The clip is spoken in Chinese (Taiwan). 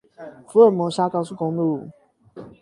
福爾摩沙高速公路